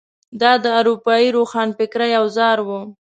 دا د اروپايي روښانفکرۍ اوزار وو.